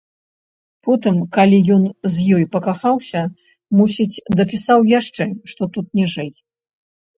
Потым, калі ён з ёю пакахаўся, мусіць, дапісаў яшчэ, што тут ніжэй.